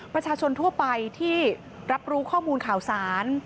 ประชาชนทั่วไปที่รับรู้ข้อมูลข่าวสาร